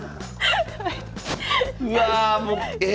うわもうえ